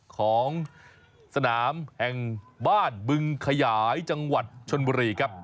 ของสนามแห่งบ้านบึงขยายจังหวัดชนบุรีครับ